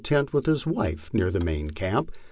51 tent with his wife near the main camp.